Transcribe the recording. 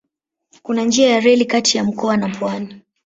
Kuna njia ya reli kati ya mkoa na pwani.